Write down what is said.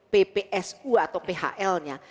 ppsu atau phl nya